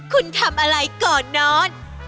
คุณทำอะไรก่อนนอน